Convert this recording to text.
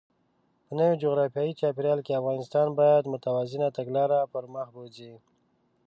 په نوي جغرافیايي چاپېریال کې، افغانستان باید متوازنه تګلاره پرمخ بوځي.